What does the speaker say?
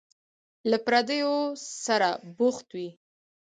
له پردیو سره بوخت وي.